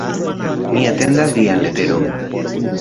Mi atendas vian leteron.